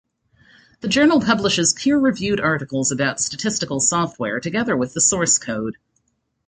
The journal publishes peer-reviewed articles about statistical software, together with the source code.